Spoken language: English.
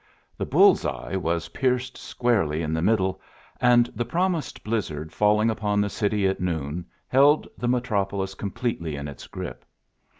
The bull's eye was pierced squarely in the middle, and the promised blizzard falling upon the city at noon held the metropolis completely in its grip.